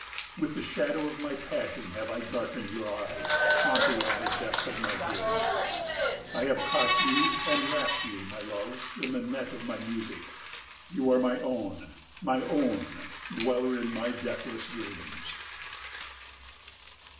With the shadow of my passion have I darkened your eyes, Haunter of the depth of my gaze! I have caught you and wrapt you, my love, in the net of my music. You are my own, my own, Dweller in my deathless dreams!